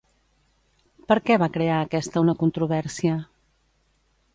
Per què va crear aquesta una controvèrsia?